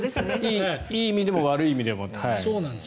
いい意味でも悪い意味でも。